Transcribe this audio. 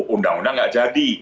undang undang tidak jadi